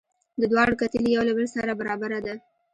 د دواړو کتلې یو له بل سره برابره ده.